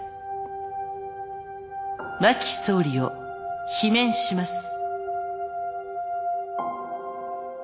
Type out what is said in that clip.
真木総理を罷免します。